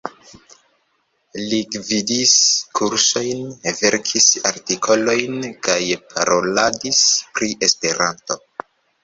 Li gvidis kursojn, verkis artikolojn kaj paroladis pri Esperanto.